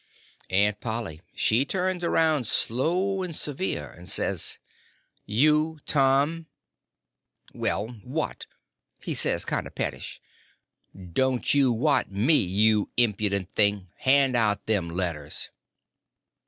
Aunt Polly she turns around slow and severe, and says: "You, Tom!" "Well—what?" he says, kind of pettish. "Don't you what me, you impudent thing—hand out them letters."